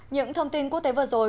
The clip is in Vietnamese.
những thông tin quốc tế vừa rồi